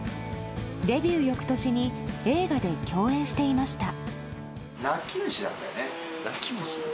デビュー翌年に映画で共演していました。